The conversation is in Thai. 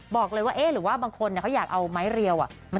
บอกเลยว่าเอ๊ะหรือว่าบางคนเขาอยากเอาไม้เรียว